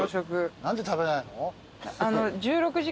何で食べないの？